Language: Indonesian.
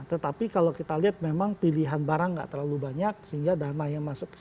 tetapi kalau kita lihat memang pilihan barang nggak terlalu banyak sehingga dana yang masuk ke sini cukup besar